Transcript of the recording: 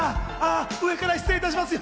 上から失礼いたします。